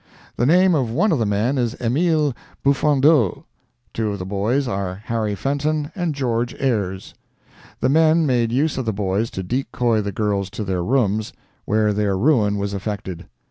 The name of one of the men is Emile Buffandeau; two of the boys are Harry Fenton and George Ayres. The men made use of the boys to decoy the girls to their rooms, where their ruin was effected.